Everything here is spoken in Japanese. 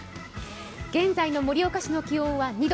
現在の盛岡市の気温は２度。